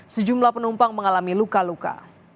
sejumlah penumpang mengalami luka luka